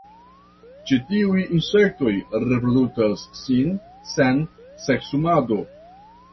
Ĉi tiuj insektoj reprodukas sin sen seksumado.